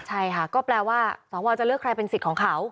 ใช่ค่ะก็แปลว่าสวจะเลือกใครเป็นสิทธิ์ของเขา